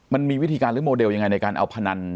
มันมีวิธีการหรือโมเดลยังไงในการเอาพนัน